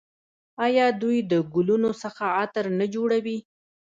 آیا دوی د ګلونو څخه عطر نه جوړوي؟